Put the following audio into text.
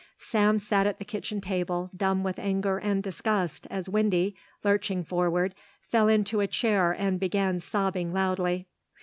Sam sat at the kitchen table dumb with anger and disgust as Windy, lurching forward, fell into a chair and began sobbing loudly.